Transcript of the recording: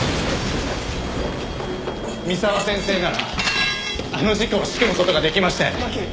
三沢先生ならあの事故を仕組む事ができましたよね。